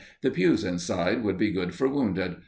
The pews inside would be good for wounded.